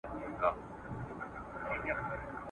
مرګه یو ګړی مو پرېږده چي هوسا سو ,